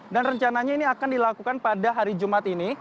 dan rencananya ini akan dilakukan pada hari jumat ini